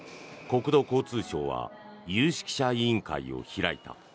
国土交通省は有識者委員会を開いた。